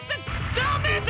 ダメだ！